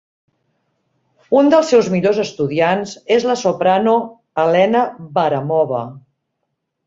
Un dels seus millors estudiants és la soprano Elena Baramova.